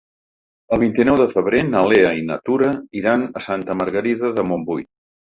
El vint-i-nou de febrer na Lea i na Tura iran a Santa Margarida de Montbui.